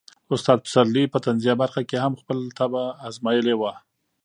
استاد پسرلي په طنزيه برخه کې هم خپله طبع ازمایلې وه.